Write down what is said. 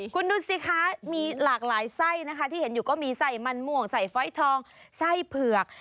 คุณดูสิคะมีหลากหลายไส้นะคะที่เห็นอยู่ก็มีไส้มันม่วงใส่ฟอยทองไส้เผือก